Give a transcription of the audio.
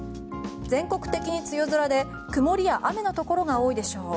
全国的に梅雨空で曇りや雨のところが多いでしょう。